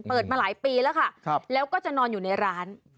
มาหลายปีแล้วค่ะแล้วก็จะนอนอยู่ในร้าน